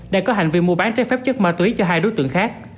đang có hành vi mua bán trái phép chất ma túy cho hai đối tượng khác